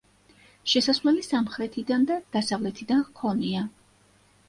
შესასვლელი სამხრეთიდან და დასავლეთიდან ჰქონია.